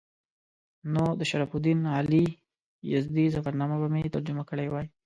نو د شرف الدین علي یزدي ظفرنامه به مې ترجمه کړې وای.